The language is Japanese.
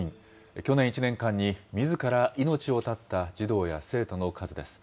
去年１年間にみずから命を絶った児童や生徒の数です。